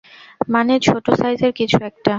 মানে, ছোটো সাইজের কিছু একটা।